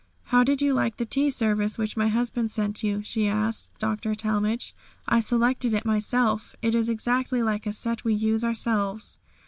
"How did you like the tea service which my husband sent you?" she asked Dr. Talmage; "I selected it myself. It is exactly like a set we use ourselves."